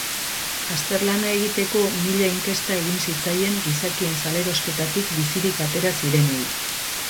Azterlana egiteko mila inkesta egin zitzaien gizakien salerosketatik bizirik atera zirenei.